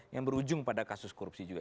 yang berujung pada kasus korupsi juga